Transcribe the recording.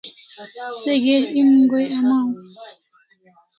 Se geri em go'in amaw